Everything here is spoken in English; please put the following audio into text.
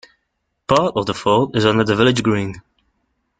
Part of the fort is under the village green.